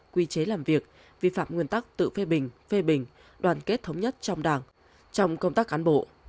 quy chế làm việc vi phạm nguyên tắc tự phê bình phê bình đoàn kết thống nhất trong đảng trong công tác cán bộ